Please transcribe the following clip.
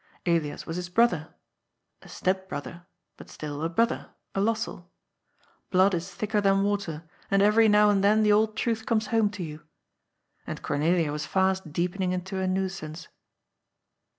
Elias was his brother — a step brother, but still a brother, a Lossell. Blood is thicker than water, and eyery now and then the old truth comes home to you. And Cornelia was fast deepening into a nuisance.